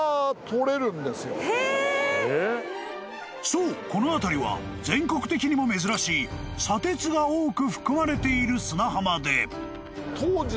［そうこの辺りは全国的にも珍しい砂鉄が多く含まれている砂浜で］